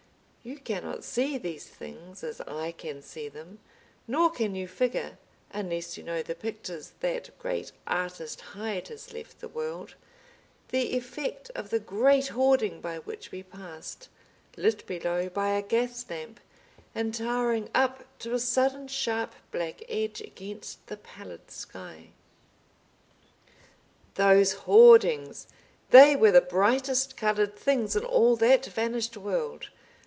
You cannot see these things as I can see them, nor can you figure—unless you know the pictures that great artist Hyde has left the world—the effect of the great hoarding by which we passed, lit below by a gas lamp and towering up to a sudden sharp black edge against the pallid sky. Those hoardings! They were the brightest colored things in all that vanished world.